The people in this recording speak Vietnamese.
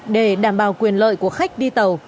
để đảm bảo quyền lợi của khách đi tàu